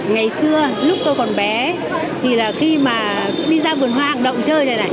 ngày xưa lúc tôi còn bé khi đi ra vườn hoa hàng động chơi